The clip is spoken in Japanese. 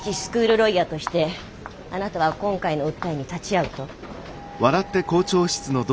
ロイヤーとしてあなたは今回の訴えに立ち会うと？